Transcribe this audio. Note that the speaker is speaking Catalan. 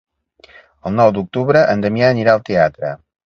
El nou d'octubre en Damià anirà al teatre.